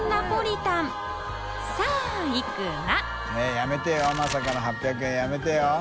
┐やめてよまさかの８００円はやめてよ。